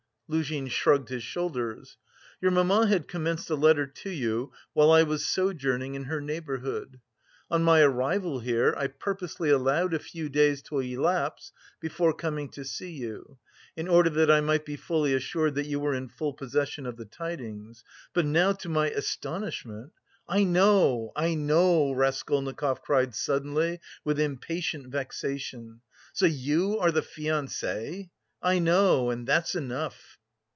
Luzhin shrugged his shoulders. "Your mamma had commenced a letter to you while I was sojourning in her neighbourhood. On my arrival here I purposely allowed a few days to elapse before coming to see you, in order that I might be fully assured that you were in full possession of the tidings; but now, to my astonishment..." "I know, I know!" Raskolnikov cried suddenly with impatient vexation. "So you are the fiancé? I know, and that's enough!"